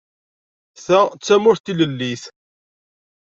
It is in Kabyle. Ta d tamurt tilellit.